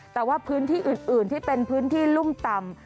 แต่ว่าพื้นที่อื่นที่เป็นพื้นที่รุ่มต่ำ